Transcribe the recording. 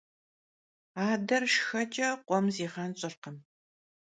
Ader şşxeç'e khuem ziğenş'ırkhım.